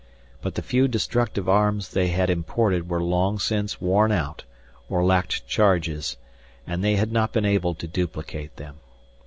But the few destructive arms they had imported were long since worn out or lacked charges, and they had not been able to duplicate them.